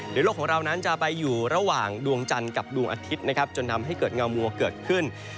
โดยโลกของเรานั้นจะไปอยู่ระหว่างดวงจันทร์กับดวงอาทิตย์นะครับจนทำให้เกิดเงามัวเกิดขึ้น